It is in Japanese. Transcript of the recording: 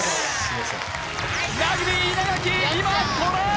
ラグビー稲垣今トライ！